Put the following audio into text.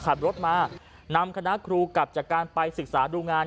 ขับรถมานำคณะครูกลับจากการไปศึกษาดูงาน